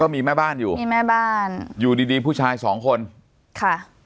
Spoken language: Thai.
มีแม่บ้านอยู่มีแม่บ้านอยู่ดีดีผู้ชายสองคนค่ะ